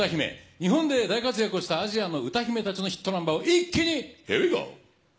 日本で大活躍したアジアの歌姫たちのヒットナンバーを一気に。